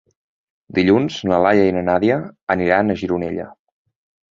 Dilluns na Laia i na Nàdia aniran a Gironella.